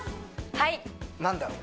はい何だろう？